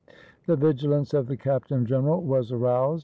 The vigilance of the captain general was aroused.